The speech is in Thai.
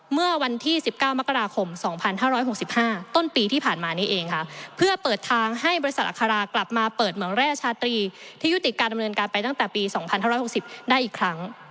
เมื่อวันที่๑๙มกราคม๒๕๖๕ต้นปีที่ผ่านมานี้เองค่ะเพื่อเปิดทางให้บริษัทอัครากลับมาเปิดเมืองแร่ชาตรีที่ยุติการดำเนินการไปตั้งแต่ปี๒๕๖๐ได้อีกครั้ง